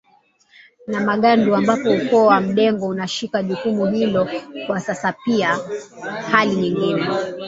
na Magadu ambapo Ukoo wa Mdengo unashika jukumu hilo kwa sasaPia hali nyingine